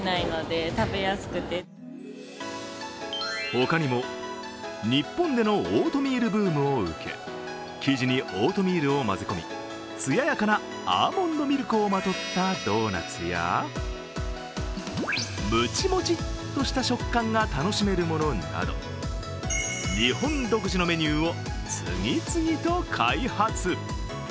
他にも、日本でのオートミールブームを受け、生地にオートミールを混ぜ込み艶やかなアーモンドミルクをまとったドーナツやムチモチッとした食感が楽しめるものなど日本独自のメニューを次々と開発。